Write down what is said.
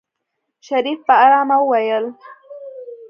شريف په آرامه وويل.